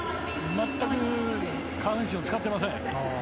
全く下半身を使っていません。